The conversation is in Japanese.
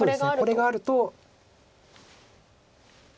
これがあると。